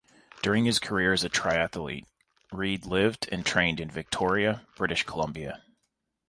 During his career as a triathlete Reid lived and trained in Victoria, British Columbia.